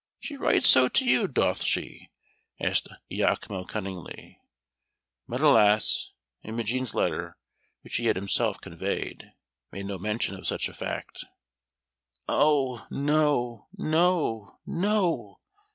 "She writes so to you, doth she?" asked Iachimo cunningly. But alas, Imogen's letter, which he had himself conveyed, made no mention of such a fact. "O, no, no, no!